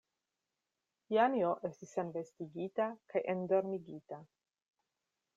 Janjo estis senvestigita kaj endormigita.